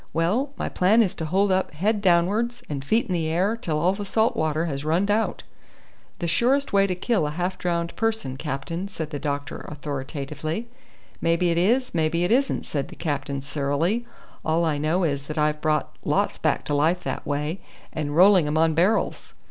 Well, my plan is to hold up head down'ards and feet in the air till all the salt water has runned out." "The surest way to kill a half drowned person, captain," said the doctor authoritatively. "Mebbe it is, mebbe it isn't," said the captain surlily. "All I know is that I've brought lots back to life that way, and rolling 'em on barrels."